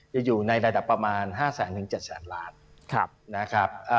จะอยู่ในระดับประมาณ๕๐๐๗๐๐ล้านนะครับ